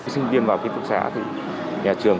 sinh viên vào ký thúc xá thì nhà trường